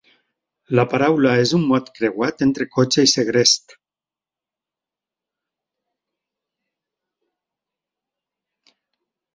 La paraula és un mot creuat entre cotxe i segrest.